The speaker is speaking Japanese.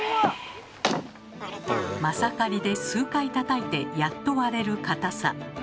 マサカリで数回たたいてやっと割れる硬さ。